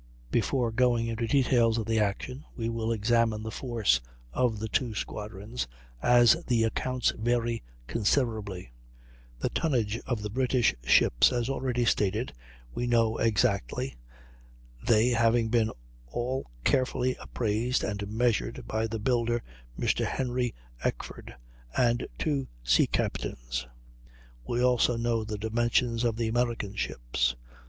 Before going into details of the action we will examine the force of the two squadrons, as the accounts vary considerably. The tonnage of the British ships, as already stated, we know exactly, they having been all carefully appraised and measured by the builder Mr. Henry Eckford, and two sea captains. We also know the dimensions of the American ships.